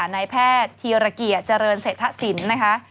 ในแพทย์ทีระเกียจริงเศรษฐศิลป์